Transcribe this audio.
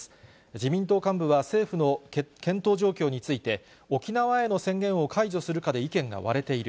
自民党幹部は政府の検討状況について、沖縄への宣言を解除するかで意見が割れている。